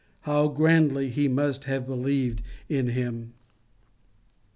How grandly he must have believed in him!